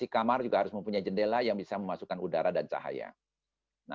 kamar juga harus mempunyai jendela yang bisa memasukkan udara dan cahaya